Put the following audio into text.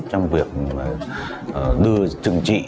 trong việc đưa chừng trị